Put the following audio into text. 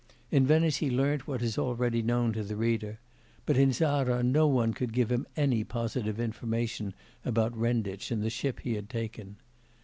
In Venice he learnt what is already known to the reader, but in Zara no one could give him any positive information about Renditch and the ship he had taken.